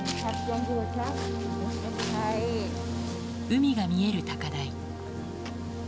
海が見える高台。